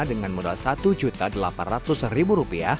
dengan modal rp satu delapan ratus